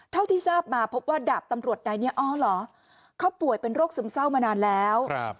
เท่าที่ทราบมาพบว่าดาบตำรวจนายนี้อ๋อเหรอเขาป่วยเป็นโรคซึมเศร้ามานานแล้ว